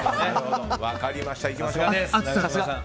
分かりました。